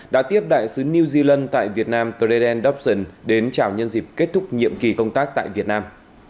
đã tiếp đại sứ new zealand tại việt nam treden dobson đến chào nhân dịp kết thúc nhiệm kỳ công tác tại việt nam